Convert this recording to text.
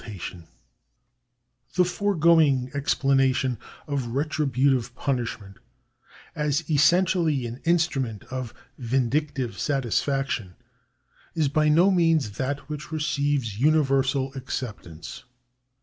F 82 THE ADMINISTRATION OF JUSTICE [§31 The foregoing explanation of retributive punishment as essentially an instrument of vindictive satisfacton is by no means that which receives universal acceptance.